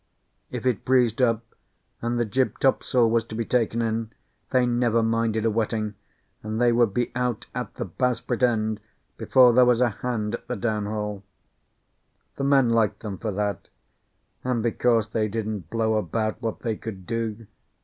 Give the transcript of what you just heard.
If it breezed up, and the jibtopsail was to be taken in, they never minded a wetting, and they would be out at the bowsprit end before there was a hand at the downhaul. The men liked them for that, and because they didn't blow about what they could do.